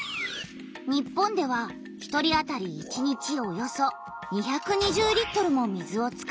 日本では１人あたり１日およそ２２０リットルも水を使っている。